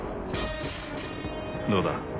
どうだ？